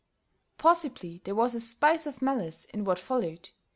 Possibly there was a spice of malice in what followed.